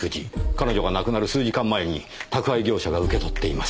彼女が亡くなる数時間前に宅配業者が受け取っています。